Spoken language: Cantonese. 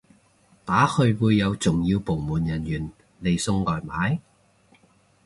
打去會有重要部門人員嚟送外賣？